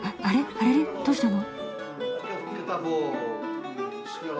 あれれどうしたの？